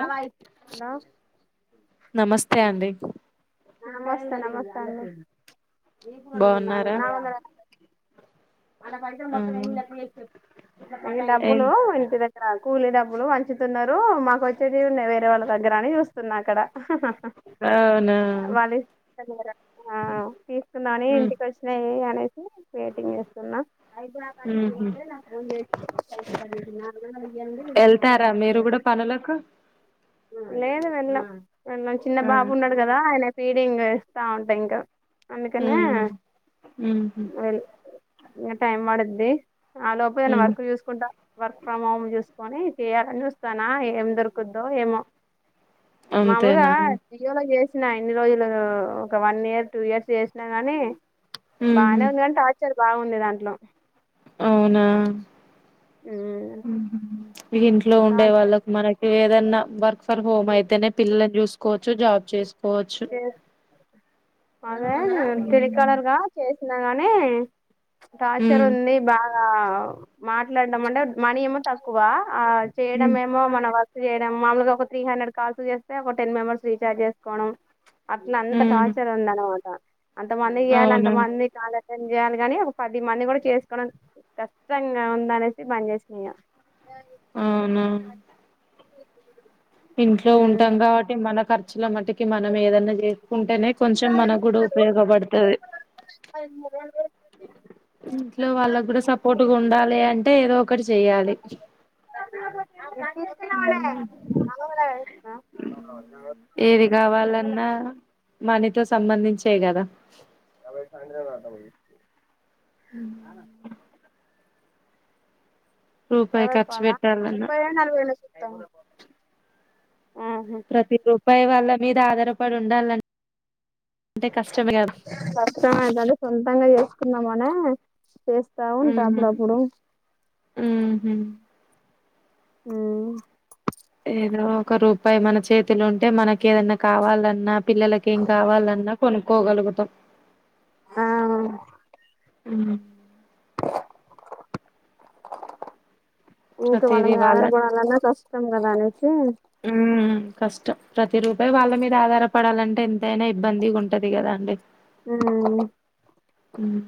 Hello ఉన్నా నమస్తే అండి నమస్తే నమస్తే అండి బాగున్నారా [unintelligible] ఆ డబ్బులు [inaudible] ఇక్కడ కూలీ డబ్బులు వంచుతున్నారు. మాకు వచ్చేటివి ఉన్నాయి వేరే వాళ్ళ దగ్గర అని చూస్తున్న అక్కడ అవునా ఆ తీసుకుంన్నా ఇంటికి వచ్చినయి అనేస్ వెయిటింగ్ చేస్తున్నా ఉహు వెళ్తారా మీరు కూడా పనులకు లేదు వెళ్ల మరి నాక్ చిన్న ఆ బాబు ఉన్నాడ్ కదా అయినా ఫీడింగ్ ఇస్తా ఉంటా ఇంకా అందుకనే హ్ హ్ ఇగ టైం పడుద్ది ఆ లోపే ఉమ్ వర్క్ చూసుకుంటా వర్క్ ఫ్రమ్ హోమ్ చూస్ సుకొని చేయాలని చూస్తానా ఏం దొరుకుద్దో ఏమో మామూలుగా అంతేనా ఉద్యోగం చేసి ఇన్ని రోజులు ఒక వన్ ఇయర్ టూ ఇయర్స్ చేసినా గానీ ఉహు బానే ఉంది గానీ టార్చ్ బాగుండే దాంట్లో అవునా ఉమ్. ఇంట్లో ఉండే టార్చర్ వాళ్ళకు మనకి ఏదన్నా వర్క్ ఫ్రమ్ హోమ్ అయితేనే పిల్లని చూసుకు- [unintelligible] జాబ్ చేసుకోవచ్చు చేస్- అదే టెలీ కాలర్ గా చేసి గానే టార్చర్ ఉమ్ ఉంది బాగా ఆ మాట్లాడదాం అంటే మనీ ఏమో తక్కువ ఆ చేయడం ఏమో మన వర్క్ చేయడం మామలుగా ఒక త్రీ హండ్రెడ్ కాల్స్ చేస్తే ఒక టెన్ మెంబర్స్ జార్జస్ కోడం అట్లా అంత ఉమ్ టార్చర్ ఉండ వ అంతమందికి చెయ్యాలి అంటే అవును మంది కాలేజీ చేయాలి కాని ఒక పది మంది కూడా చేసుకోవడం కష్టంగా ఉంద అనేసి బంద్ చేసిన ఇక అవునా ఇంట్లో ఉంటాం ఉమ్. కాబట్టి మనకర్చ ఇట్ల మట్కి మనం ఏదన్నా చేసుకుంటేనే కొంచెం మనకు కూడా ఉపయోగపడుతది ఇంట్లో వాళ్ళకు కూడా సపోర్ట్గా ఉండాలి అంటే టే ఏదో ఒకటి ఒక్కటి చెయ్యాలి ఆ, ఏది కావాలన్నా మనీతో సంబంధించి దే కదా ఆ రూపాయి ఖర్చు పెట్టాలన్నా తం ప్రతి రూపాయా వాళ్ళ మీద ఆధారపడి ఉండాలన్ కష్టమా అద [unintelligible] సొంతంగా చేస్ కున్నమనే చేస్తా ఉంటా ఉహు అప్పుడప్పుడు ఉహు ఆ ఏదో ఒక రూపాయి మన చేతిలు ఉంటే మనకి ఏదన్నా కావాలన్నా పిల్లలకి ఏం కావాలన్నా కొను క్కోగలుగుతాం ఆ ఉ ఊకే వాళ్ళ ఆదర పడాలన్నా కష్టం కదా అనేసి ఉమ్ కష్టం ప్రతి రూపాయి వాళ్ళ మీద ఆధారపడాలంటే ఎ ఎదైనా ఇబ్బంది ఉంటది. కదా అండి ఉమ్. హ్మ్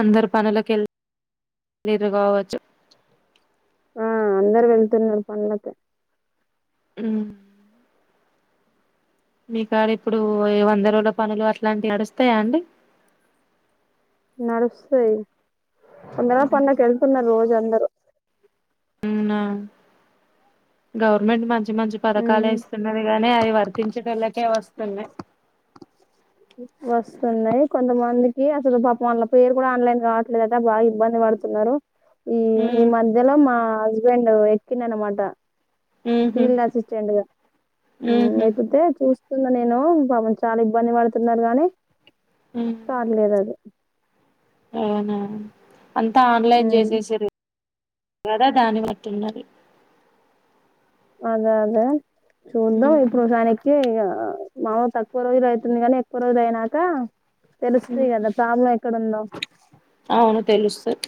అందరు పనులకి వెళ్ళతాలేరు కావచ్చు. ఆ అందరు వెళ్తున్నారు పనులకి హ్మ్ మీకా అడ ఇప్పుడు వందరోల పనులు అట్లాంటివి నడుస్తాయా అండి. నడుస్తాయ్ వందరోలా పనులకి కేళ్తూన్నారు రోజు ఇగా అందరూ అవునా గవర్నమెంట్ మంచి మంచి పథకాలు ఇస్తున్నదిగానే అది వర్క్ దీంచొటోళ్ళకే వస్తున్నాయి. వస్తున్నాయి కొంతమందికి అసలు పాప వాళ్ళ పేరు కూడా ఆన్లైన్ కావట్లేదుంటే బాగా ఇబ్బంది పడుతున్నారు ఈ ఈ ఉమ్ మధ్యలో మా హస్బెండ్ ఎక్కిన అనమాట ఉహు ఫీల్డ్ అసిస్టెంట్గా ఉహు లేకపోతే చూ నేను పాపం చాలా ఇబ్బంది పడు పడుతుందారుగాని ఉమ్ కార్ లేద్ అది అవునా అంతా ఆన్లైన్ చేసేషింరు త కదా దాని బట్టి ఉన్నది. అదే అదే చూద్దాం ఉమ్ ఇప్పుడు [unintelligible] ఇగా మామూలు తక్కువ రోజులు అవుతుంది. కానీ ఎక్కువ రోజులు అయినాక తెలుస్తాయి కదా ప్రాబ్లం ఎక్కడుందో అవును తెలుస్తది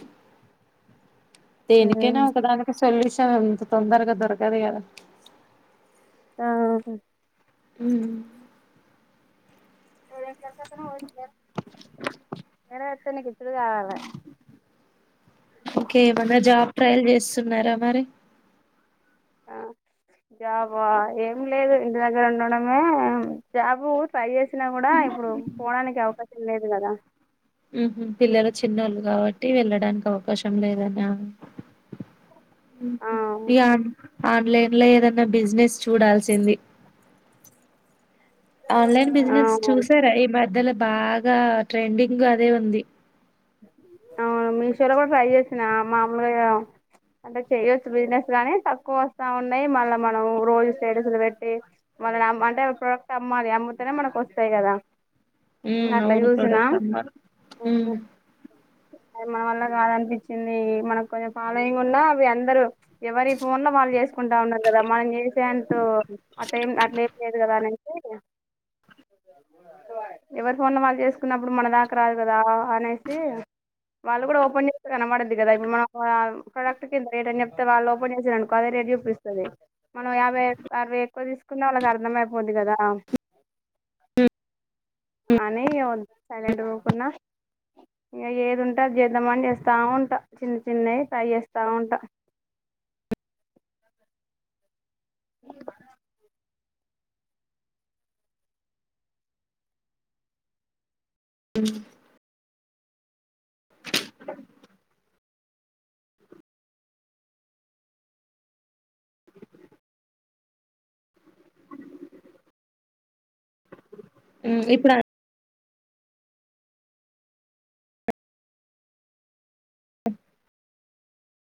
దేనికైనా ఒకదానికి సొల్యూషన్ అంత తొందరగా దొరకదు. కదా ఆహ [unintelligible] [unintelligible] ఇంక ఏమన్నా జాబ్ ట్రయల్ చేస్ స్తూన్నారా మరి ఆ జబా ఏం లేదు ఇంటి దగ్గర ఉండడమే జాబు ట్రై చేసినా కూడా ఇప్పుడు పోవడానికి అవకాశం లేదు కదా ఉ హ్మ్ పిల్లల చిన్నోళ్ళు కాబట్టి వెళ్ళడానికి అవకాశం లేదనా ఆ ఇగా ఆన్లైన్ లో ఏదన్నా బిజినెస్ చూడాల్సింది. ఆన్లైన్ ఆ బిజినెస్ చూసారా ఈ మ ద్దల బాగా ట్రెండింగ్ అదే ఉంది అవును మీషోలో కూడా ట్రై చేసిన మామూలుగా అంటే చెయొచ్చు బిజినెస్ కానీ తక్కువ వస్తా ఉన్నాయి మళ్ళా మనం రోజు స్టేటస్లు పెట్టి మళ్ళనిమ్ అంటే ప్రోడక్ట్ అమ్మాలి అమ్ముతేనే మనకు వస్తాయి కదా హ్మ్ అట్లా అవును చూసినా ప్రొడక్ట్ అమ్మాలి అది మన వల్ల కాదనిపించింది మనకు కొంచెం ఫాలోయింగ్ ఉన్నా అవి అందరూ ఎవరి ఫోన్ లో వాళ్ళు చేసుకుంటా ఉన్నారు కదా మనం చేసేంటు అట్ ఏం అట్లే ఏం లేదు కదా అని ఎవరి ఫోన్లో వాళ్ళు చేసుకున్నప్పుడు మన దాకా రాదు కదా అనే వాళ్ళు కూడా ఓపెన్ చేస్తే కనబడుద్ది కదా ఇప్పుడు మనం ప్రొడక్ట్ కి రేట్ అని చెప్తే వాళ్ళు ఓపెన్ చేసారునుకో అదే రేట్ చూపిస్తది మనం యాభై అరవై ఎక్కువ తీసుకున్నా వాళ్ళకి అర్థంమయిపోద్ది కదా అని సైలెంట్గా ఉకున్నా ఏది ఉంటా అది చేద్దామని చేత్తావుంటా చిన్న చిన్నవి ట్రై చేస్తా ఉంటా ఏ హ్మ్ హ్ హ్మ్ ఇప్పుడు